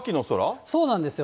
そうなんですよ。